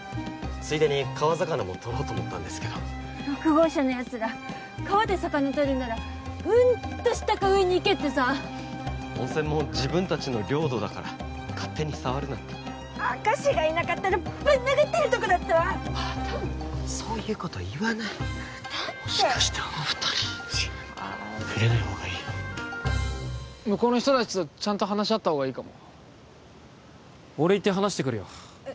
ついでに川魚もとろうと思ったんですけど６号車のやつら川で魚とるならうんと下か上に行けってさ温泉も自分たちの領土だから勝手に触るなって明石がいなかったらぶん殴ってるとこだったわまたそういうこと言わないだってもしかしてあの２人はーいシッ触れない方がいい向こうの人たちとちゃんと話し合った方がいいかも俺行って話してくるよえ